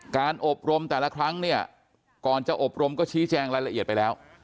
การอบรมแต่ละครั้งเนี่ยก่อนจะอบรมก็ชี้แจงรายละเอียดไปแล้ว